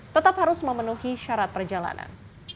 tetap harus memenuhi syarat perjalanan